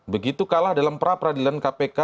begitu kalah dalam pra peradilan kpk